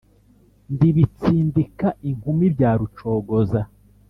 Ndi Bitsindika inkumi bya Rucogoza,